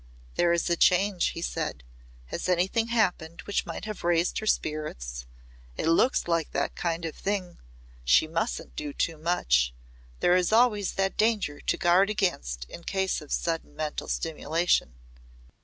"There is a change," he said. "Has anything happened which might have raised her spirits? It looks like that kind of thing. She mustn't do too much. There is always that danger to guard against in a case of sudden mental stimulation."